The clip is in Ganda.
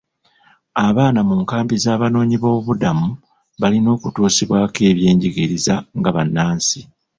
Abaana mu nkambi z'abanoonyi b'obubuddamu balina okutuusibwako eby'enjigiriza nga bannansi.